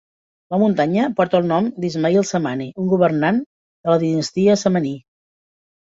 La muntanya porta el nom d'Ismail Samani, un governant de la dinastia Samaní.